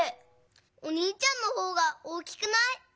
おにいちゃんのほうが大きくない？